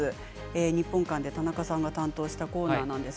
日本館で田中さんが担当したコーナーです。